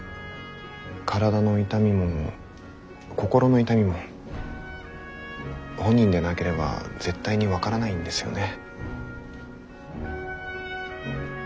体の痛みも心の痛みも本人でなければ絶対に分からないんですよね。